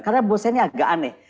karena buat saya ini agak aneh